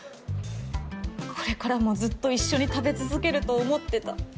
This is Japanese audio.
これからもずっと一緒に食べ続けると思ってた。